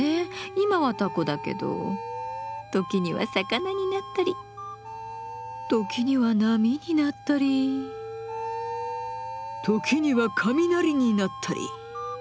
今はタコだけど時には魚になったり時には波になったり時には雷になったり。